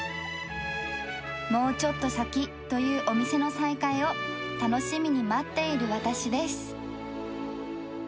もうちょっと先というお店の再開を楽しみに待っている私です。